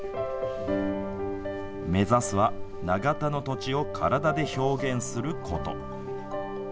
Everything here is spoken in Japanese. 目指すは長田の土地を体で表現すること。